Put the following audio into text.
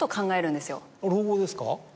老後ですか？